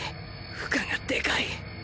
負荷がでかい！